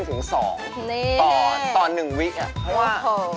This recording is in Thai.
ต่อต่อ๑วินาทีอ่ะเพราะว่าโอ้โฮ